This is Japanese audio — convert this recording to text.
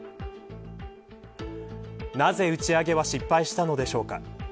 なぜ、打ち上げは失敗したのでしょうか。